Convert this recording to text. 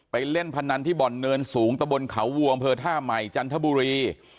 เล่นพนันที่บ่อนเนินสูงตะบนเขาวัวอำเภอท่าใหม่จันทบุรี